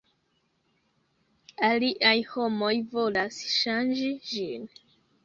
Aliaj homoj volas ŝanĝi ĝin.